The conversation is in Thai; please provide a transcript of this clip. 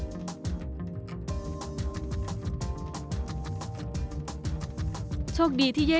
เย้ออีเชียร์เตือนให้เราเอาหนังออกนะครับ